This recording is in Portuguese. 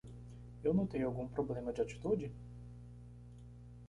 Eu notei algum problema de atitude?